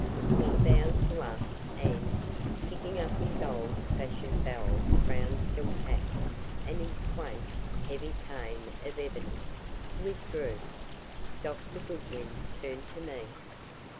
He bowed to us and, picking up his old fashioned bell crowned silk hat and his quaint, heavy cane of ebony, withdrew. Dr. Goodwin turned to me.